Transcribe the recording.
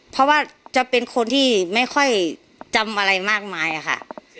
เพราะว่าจะเป็นคนที่ไม่ค่อยจำอะไรมากมายค่ะ